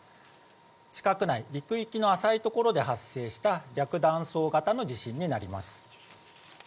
地殻内、陸域の浅い所で発生した逆断層型の地震になります。